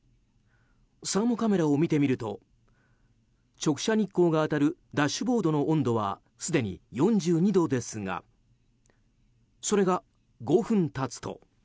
サーモカメラを見てみると直射日光が当たるダッシュボードの温度はすでに４２度ですがそれが５分経つと。